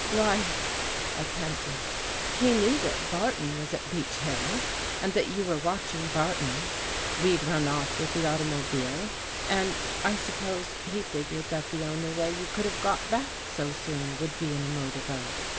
" Why," I panted, " he knew that Barton was at Beech Hill and that you were watching Barton. We'd run off with the automobile and I suppose he figured that the only way you could have got back so soon would be in a motor boat.